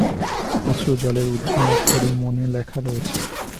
অশ্রুজলের উজ্জ্বল অক্ষরে মনে লেখা রয়েছে।